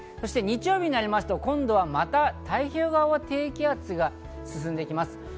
日曜日になりますと、今度はまた太平洋側は低気圧が進んできます。